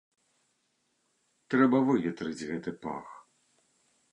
Трэба выветрыць гэты пах.